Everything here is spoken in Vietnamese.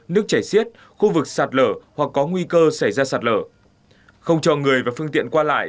nước chảy xiết khu vực sạt lở hoặc có nguy cơ xảy ra sạt lở không cho người và phương tiện qua lại